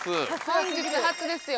本日初ですよ。